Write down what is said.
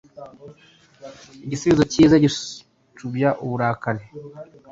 Igisubizo cyiza gicubya uburakari